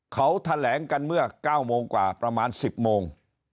เขาแถลงกันเมื่อ๙โมงกว่าประมาณ๑๐โมง